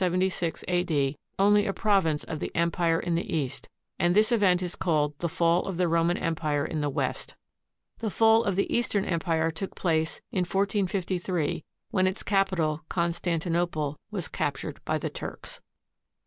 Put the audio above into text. D. only a province of the Empire in the East, and this event is called the fall of the Roman Empire in the West. The fall of the Eastern Empire took place in 1453, when its capital, Constantinople, was captured by the Turks.